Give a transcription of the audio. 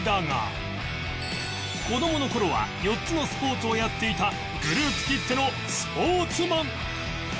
子供の頃は４つのスポーツをやっていたグループきってのスポーツマン